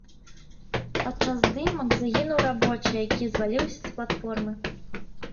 Падчас здымак загінуў рабочы, які зваліўся з платформы.